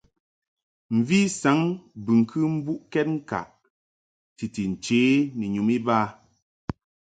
Mvi saŋ bɨŋkɨ mbuʼkɛd ŋkaʼ titi nche ni nyum iba.